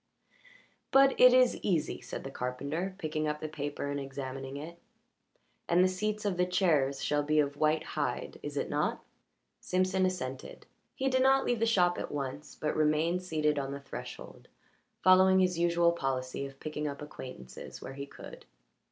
"But it is easy," said the carpenter, picking up the paper and examining it. "And the seats of the chairs shall be of white hide, is it not?" Simpson assented. He did not leave the shop at once, but remained seated on the threshold, following his usual policy of picking up acquaintances where he could.